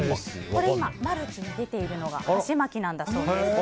マルチに出ているのがはしまきなんだそうです。